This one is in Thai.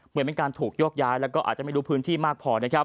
เหมือนเป็นการถูกโยกย้ายแล้วก็อาจจะไม่รู้พื้นที่มากพอนะครับ